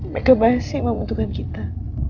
mereka pasti membentukkan kita